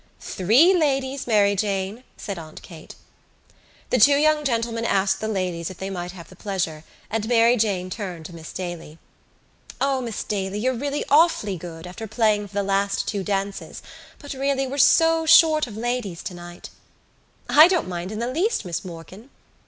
"Three ladies, Mary Jane," said Aunt Kate. The two young gentlemen asked the ladies if they might have the pleasure, and Mary Jane turned to Miss Daly. "O, Miss Daly, you're really awfully good, after playing for the last two dances, but really we're so short of ladies tonight." "I don't mind in the least, Miss Morkan."